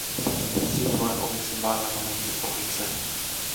Silloin olisi laiva jo mennyt ohitse.